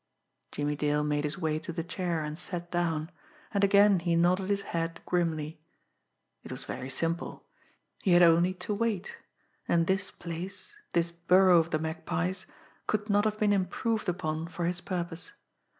Jimmie Dale made his way to the chair, and sat down and again he nodded his head grimly. It was very simple; he had only to wait, and this place, this burrow of the Magpie's, could not have been improved upon for his purpose.